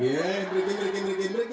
iya mereka mereka mereka mereka